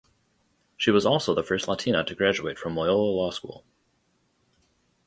She was also the first Latina to graduate from Loyola Law School.